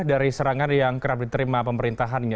dari serangan yang kerap diterima pemerintahannya